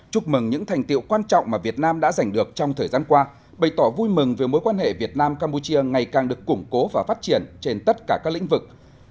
chúc mừng những thành tiệu quan trọng mà việt nam đã giành được trong thời gian qua bày tỏ vui mừng về mối quan hệ việt nam campuchia ngày càng được củng cố và phát triển trên tất cả các lĩnh vực